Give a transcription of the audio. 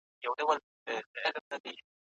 چي پخوا د بوډۍ ټال وو اوس غروب وینم په خوب کي